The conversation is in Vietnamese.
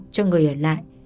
cho người ở lại